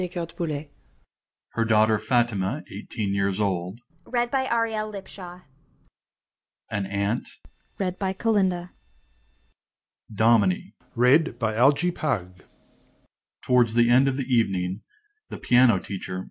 Her daughter FATIMA, eighteen years old. AN AUNT. DOMINIE. Towards the end of the evening, the piano teacher, MR.